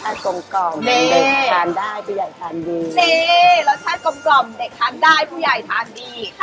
รสชาติกลมเด็ดทานได้ผู้ใหญ่ทานดี